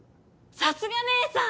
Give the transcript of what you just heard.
さすが姐さん！